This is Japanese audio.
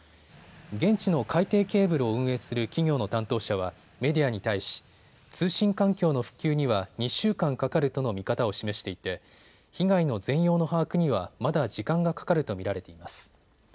現地の海底ケーブルを運営する企業の担当者はメディアに対し通信環境の復旧には２週間かかるとの見方を示していて被害の全容の把握にはまだ時間がかかると見られています。